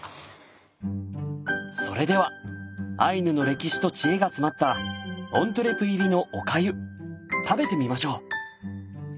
それではアイヌの歴史と知恵が詰まったオントゥレ入りのお粥食べてみましょう！